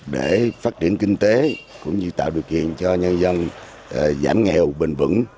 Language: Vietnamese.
để phát triển kinh tế cũng như tạo điều kiện cho nhân dân giảm nghèo bền vững